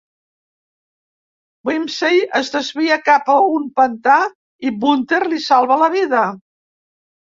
Wimsey es desvia cap a un pantà i Bunter li salva la vida.